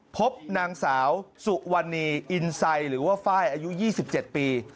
พบนางสาวสุวรรณีอินไซหรือว่าไฟล์อายุ๒๗ปี